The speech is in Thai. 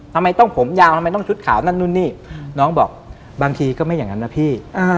ทำไมต้องผมยาวทำไมต้องชุดขาวนั่นนู่นนี่น้องบอกบางทีก็ไม่อย่างนั้นนะพี่